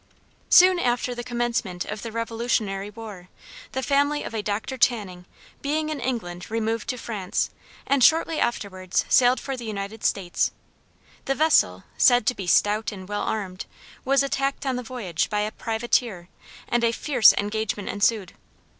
Soon after the commencement of the Revolutionary War, the family of a Dr. Channing, being in England, removed to France, and shortly afterwards sailed for the United States. The vessel, said to be stout and well armed, was attacked on the voyage by a privateer, and a fierce engagement ensued.